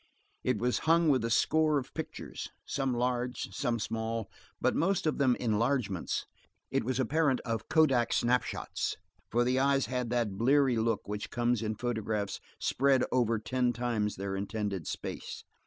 It was hung with a score of pictures. Some large, some small, but most of them enlargements, it was apparent of kodak snapshots, for the eyes had that bleary look which comes in photographs spread over ten times their intended space.